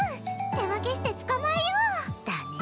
手分けして捕まえよう！だね。